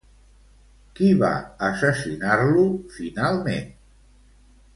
Qui va assassinar-lo finalment?